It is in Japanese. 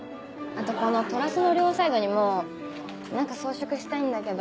あとこのトラスの両サイドにも何か装飾したいんだけど。